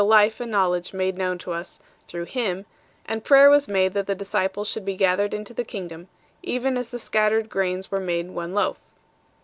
155 and knowledge made known to us through Him ; and prayer was made that the disciples should be gathered into the Kingdom, even as the scattered grains were made one loaf.